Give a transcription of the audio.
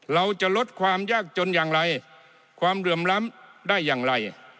เราจะลดความยากจนอย่างไรความเหลื่อมล้ำได้อย่างไร